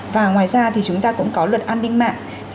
và ngoài ra thì chúng ta cũng có luật an ninh mạng